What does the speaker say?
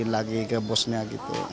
lagi ke bosnya gitu